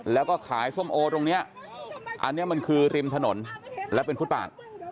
แล้วก็ขายส้มโอตรงนี้อันนี้มันคือริมถนนและเป็นฟุตบาท